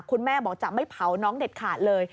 คุณแม่บอกจะไม่เผาน้องเด็ดขาดเลย